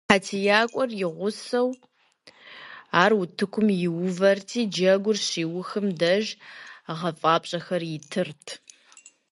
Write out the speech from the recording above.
ХьэтиякӀуэр и гъусэу ар утыкум иувэрти, джэгур щиухым деж гъэфӀапщӀэхэр итырт.